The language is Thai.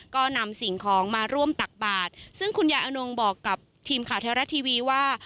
ก็นำสิ่งของมาร่วมตักบาทซึ่งคุณยายอนงบอกกับทีมข่าวแท้รัฐทีวีว่า